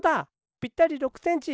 ぴったり６センチ！